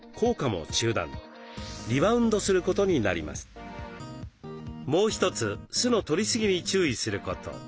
もう一つ酢のとりすぎに注意すること。